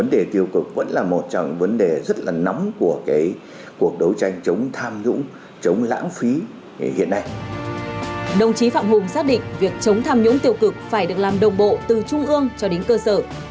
đồng chí phạm hùng xác định việc chống tham nhũng tiêu cực phải được làm đồng bộ từ trung ương cho đến cơ sở